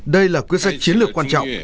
đây là cơ sách chiến lược quan trọng